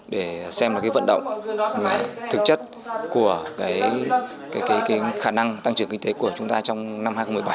để xem vận động thực chất của khả năng tăng trưởng kinh tế của chúng ta trong năm hai nghìn một mươi bảy